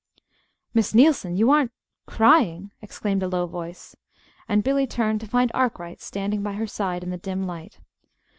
"Miss Neilson, you aren't crying!" exclaimed a low voice; and Billy turned to find Arkwright standing by her side in the dim light.